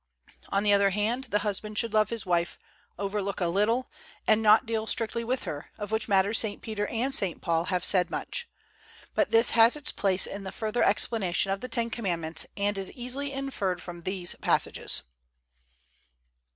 On the other hand, the husband should love his wife, overlook a little, and not deal strictly with her, of which matter St. Peter and St. Paul have said much. But this has its place in the further explanation of the Ten Commandments, and is easily inferred from these passages.